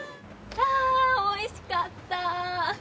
あおいしかった。